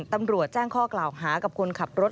ตำรวจแจ้งข้อกล่าวหากับคนขับรถ